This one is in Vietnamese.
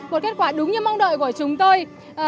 một kết quả đúng như mong đợi của chúng tôi